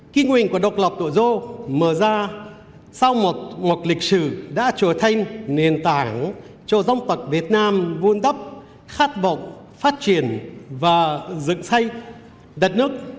kinh nguyện của độc lập đội dô mở ra sau một lịch sử đã trở thành nền tảng cho dân tộc việt nam vun đắp khát vọng phát triển và dựng xây đất nước